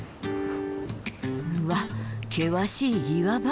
うわっ険しい岩場。